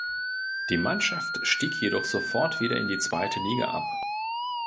Die Mannschaft stieg jedoch sofort wieder in die zweite Liga ab.